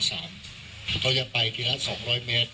เขาจะไปปีละ๒๐๐เมตร